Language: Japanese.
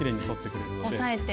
押さえて。